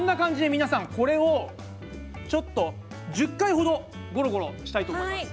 皆さんこれをちょっと１０回ほどゴロゴロしたいと思います。